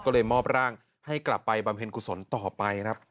ก็เลยมอบร่างให้กลับไปบำเพ็ญกุศลต่อไปครับ